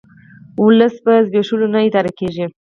ولس په زبېښولو نه اداره کیږي